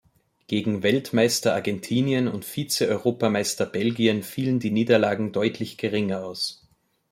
Gegen Weltmeister Argentinien und Vize-Europameister Belgien fielen die Niederlagen deutlich geringer aus.